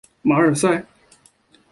马尔萨。